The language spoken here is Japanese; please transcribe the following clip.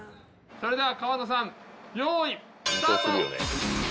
それでは川野さんよいスタート。